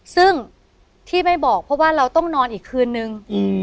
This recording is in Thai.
ซึ่งที่ไม่บอกเพราะว่าเราต้องนอนอีกคืนนึง